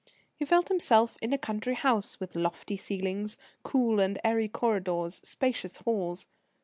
He felt himself in a country house, with lofty ceilings, cool and airy corridors, spacious halls.